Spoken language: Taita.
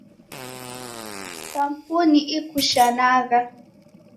Kampuni ikushanagha.